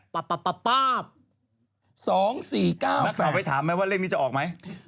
มักขอไปถามว่าเลขนี้จะออกไหม